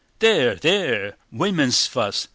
"There! There! Women's fuss!